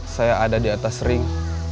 saya ada di atas ring